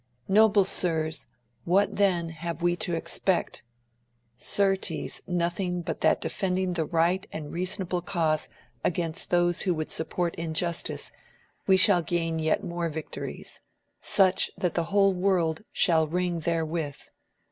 Noble sirs, what then have we to ex pect ? certes nothing but that defending the right and reasonable cause against those who would support in justice, we shall gain yet more victories, such that the whole worid shall ring therewith.